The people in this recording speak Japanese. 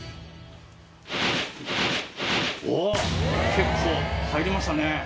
結構入りましたね。